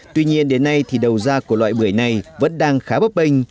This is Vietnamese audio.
tuy nhiên đến nay thì đầu ra của loại bưởi này vẫn đang khá bấp bênh